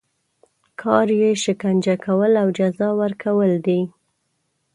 کار یې شکنجه کول او جزا ورکول دي.